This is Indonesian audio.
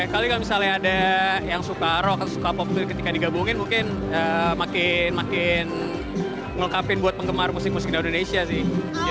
kalo misalnya ada yang suka rock atau suka pop gitu ketika digabungin mungkin makin makin mengelengkapi buat penggemar musik musik di indonesia sih